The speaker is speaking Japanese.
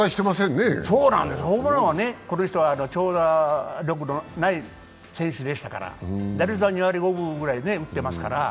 ホームランはこの人は長打力のない選手でしたから、打率は２割５分くらい打ってますから。